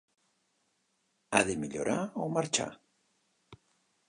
Ha de millorar o marxar.